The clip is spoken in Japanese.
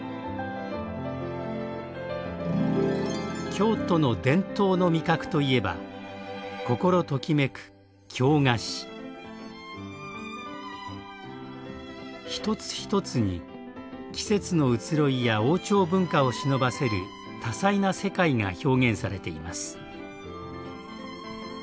京都の伝統の味覚といえば一つ一つに季節の移ろいや王朝文化をしのばせる多彩な世界が表現されています。